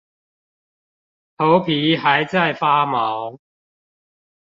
頭皮還在發毛